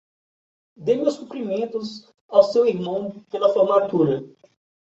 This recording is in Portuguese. Dê meus cumprimentos ao seu irmão pela formatura.